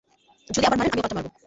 যদি আবার মারেন, আমিও পাল্টা মারব।